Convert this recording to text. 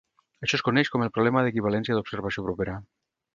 Això es coneix com el problema d'"equivalència d'observació propera".